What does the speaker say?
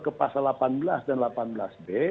ke pasal delapan belas dan delapan belas b